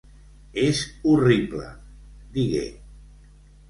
"És horrible", digué.